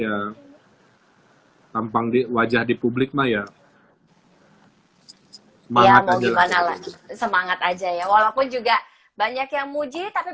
hai tampang di wajah di publik maya hai banyak aja semangat aja ya walaupun juga banyak yang muji tapi